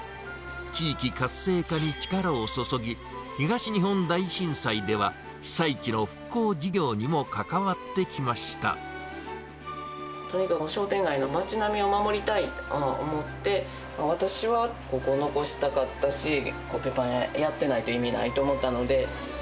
地域活性化に力を注ぎ、東日本大震災では、被災地の復興事業にもとにかく商店街の街並みを守りたいと思って、私はここを残したかったし、コッペパン屋やってないと意味ないと思ったので。